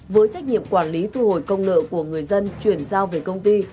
với trách nhiệm quản lý thu hồi công nợ của người dân chuyển giao về công ty